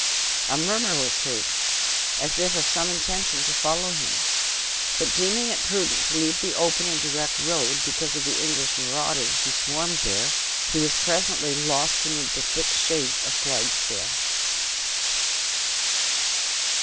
A murmur was heard, as if of some intention to follow him; but deeming it prudent to leave the open and direct road, because of the English marauders who swarmed there, he was presently lost amid the thick shades of Clydesdale.